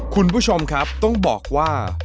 คุณผู้ชมครับต้องบอกว่า